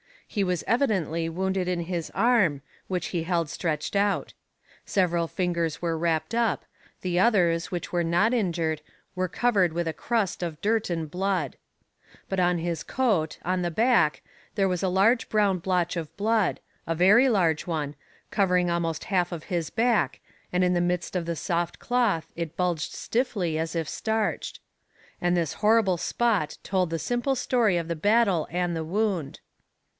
He was evidently wounded in his arm, which he held stretched out. Several fingers were wrapped up, the others, which were not injured, were covered with a crust of dirt and blood. But on his coat, on the back, there was a large brown blotch of blood, a very large one, covering almost half of his back and in the midst of the soft cloth it bulged stiffly as if starched. And this horrible spot told the simple story of the battle and the wound.